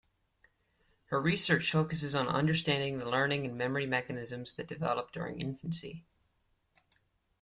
Her research focuses on understanding the learning and memory mechanisms that develop during infancy.